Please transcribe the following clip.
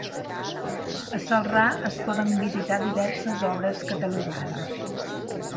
A Celrà es poden visitar diverses obres catalogades.